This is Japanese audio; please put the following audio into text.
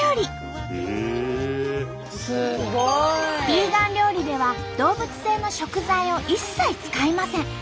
ビーガン料理では動物性の食材を一切使いません。